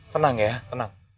tenang ya tenang